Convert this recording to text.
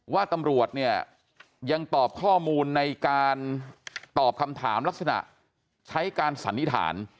ว่าตำรวจเนี่ยยังตอบข้อมูลในการตอบคำถามลักษณะใช้การสันนิษฐาน